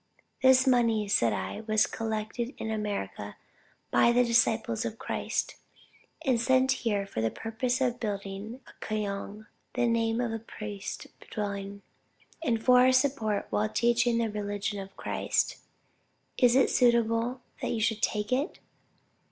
This money, said I, was collected in America by the disciples of Christ, and sent here for the purpose of building a kyoung, (the name of a priest's dwelling;) and for our support while teaching the religion of Christ. Is it suitable that you should take it?